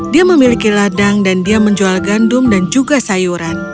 dia memiliki ladang dan dia menjual gandum dan juga sayuran